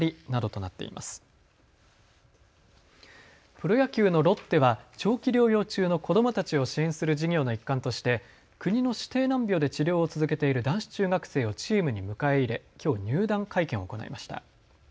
プロ野球のロッテは長期療養中の子どもたちを支援する事業の一環として国の指定難病で治療を続けている男子中学生をチームに迎え入れきょう入団会見を行いました。